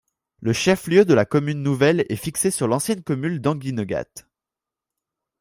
Le chef-lieu de la commune nouvelle est fixé sur l'ancienne commune d'Enguinegatte.